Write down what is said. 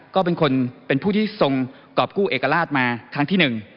ก็เป็นคนเป็นผู้ที่ทรงกรอบกู้เอกราชมาครั้งที่๑